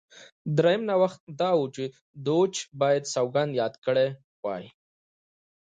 درېیم نوښت دا و دوج باید سوګند یاد کړی وای.